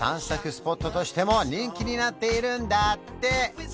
スポットとしても人気になっているんだって